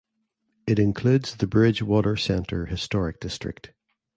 It includes the Bridgewater Center Historic District.